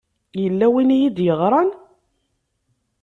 Yella win i yi-d-yeɣṛan?